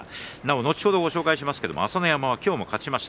後ほどご紹介しますが朝乃山は今日も勝ちました。